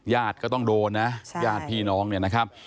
ญาติก็ต้องโดนนะญาติพี่น้องเนี่ยนะครับ